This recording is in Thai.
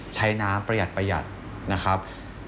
ใช้น้ำประหยัดนะครับ